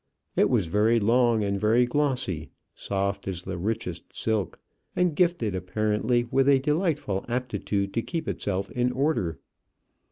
It was very long and very glossy, soft as the richest silk, and gifted apparently with a delightful aptitude to keep itself in order.